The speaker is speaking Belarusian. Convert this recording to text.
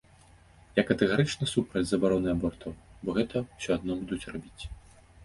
Я катэгарычна супраць забароны абортаў, бо гэта ўсё адно будуць рабіць.